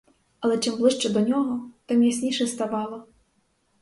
Але чим ближче до нього, тим ясніше ставало.